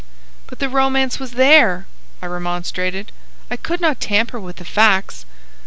"But the romance was there," I remonstrated. "I could not tamper with the facts."